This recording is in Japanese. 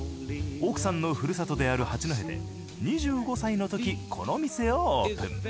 奥さんのふるさとである八戸で２５歳の時この店をオープン。